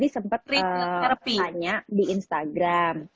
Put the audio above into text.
sempat tanya di instagram